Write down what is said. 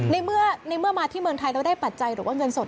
ในเมื่อมาที่เมืองไทยแล้วได้ปัจจัยหรือว่าเงินสด